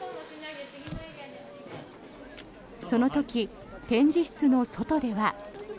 その時、展示室の外では。